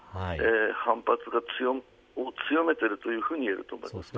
反発を強めているというふうに言えると思います。